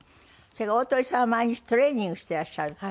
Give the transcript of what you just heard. それから鳳さんは毎日トレーニングしてらっしゃるって。